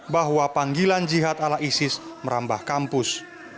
bahwa panggilan jihad ala isis merambah kampus